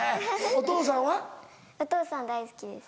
お父さん大好きです。